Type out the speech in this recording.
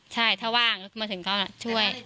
ใช่ถ้าว่างมาถึงเขานะช่วย